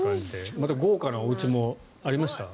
また豪華なおうちもありました？